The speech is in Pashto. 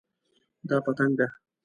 دا پتنګ ده